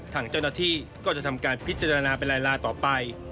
ทางเจ้าหน้าที่ก็จะทำการพิจารณาเป็นลายลาต่อไป